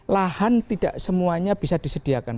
lahan tidak semuanya bisa disediakan